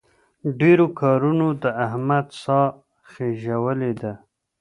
ډېرو کارونو د احمد ساه خېژولې ده.